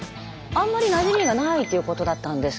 あんまりなじみがないっていうことだったんですけれど。